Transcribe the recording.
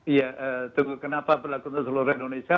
iya tunggu kenapa berlaku untuk seluruh indonesia